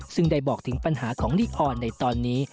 ซึ่งได้บอกถึงปัญหาของลีออนในตอนนี้